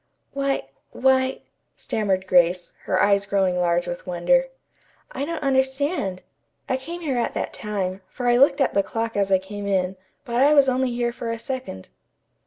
"Why why " stammered Grace, her eyes growing large with wonder. "I don't understand. I came here at that time, for I looked at the clock as I came in, but I was only here for a second."